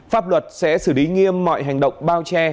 pháp luật sẽ xử lý nghiêm mọi hành động bao che